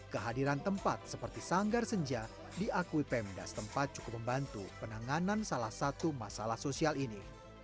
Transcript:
kehadiran tempat seperti sanggar senja diakui pemda setempat cukup membantu penanganan salah satu masalah sosial ini